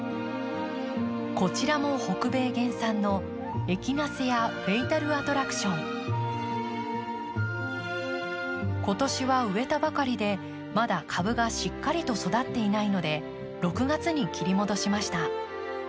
こちらも北米原産の今年は植えたばかりでまだ株がしっかりと育っていないので６月に切り戻しました。